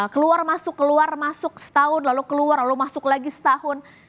keluar masuk keluar masuk setahun lalu keluar lalu masuk lagi setahun